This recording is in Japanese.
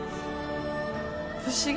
不思議！